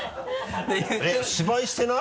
えっ芝居してない？